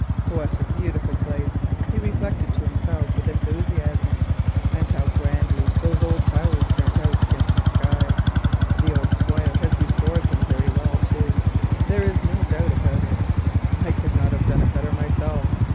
"What a beautiful place!" he reflected to himself with enthusiasm, "and how grandly those old towers stand out against the sky. The Squire has restored them very well, too, there is no doubt about it; I could not have done it better myself.